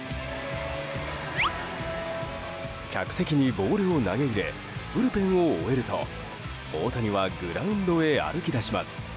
客席にボールを投げ入れブルペンを終えると大谷はグラウンドへ歩き出します。